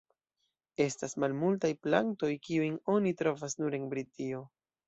Estas malmultaj plantoj kiujn oni trovas nur en Britio.